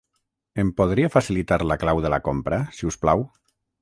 Em podria facilitar la clau de la compra, si us plau?